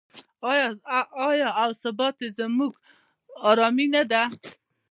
آیا او ثبات یې زموږ ارامي نه ده؟